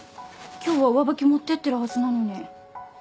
今日は上履き持ってってるはずなのに。